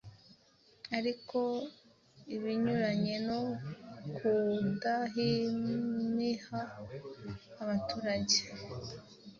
Ariko ibinyuranye no kudahimiha abaturage